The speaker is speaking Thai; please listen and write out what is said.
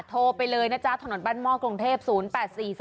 โทรไปเลยนะจ๊ะถนนบ้านม่อกรงเทพฯ